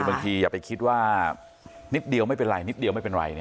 อย่าไปคิดว่านิดเดียวไม่เป็นไรนิดเดียวไม่เป็นไร